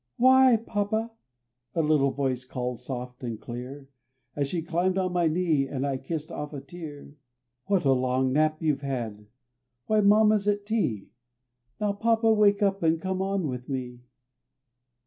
"Why, papa," a little voice called soft and clear, As she climbed on my knee and kissed off a tear, "What a long nap you've had; why mamma's at tea, Now, papa, wake up and come on with me."